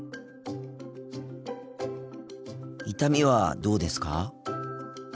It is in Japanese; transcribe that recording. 痛みはどうですか？